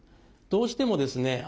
どうしてもですね